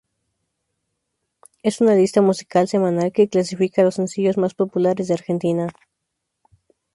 Es una lista musical semanal que clasifica los sencillos más populares de Argentina.